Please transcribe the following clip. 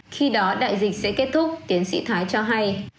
khi đó đại dịch sẽ kết thúc tiến sĩ thái cho hay